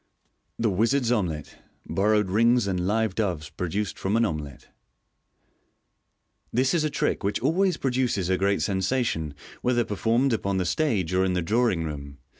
The Wizard's Omelet. (Borrowed Rings and Live Doves produced from an Omelet.) — This is a trick which always pro duces a great sensation, whether performed upon the stage or in the drawing room.